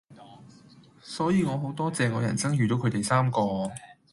所以我好多謝我人生遇到佢哋三個⠀